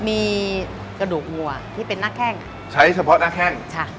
มีกระดูกหัวที่เป็นน่าแค่งใช้เฉพาะน่าแค่งใช่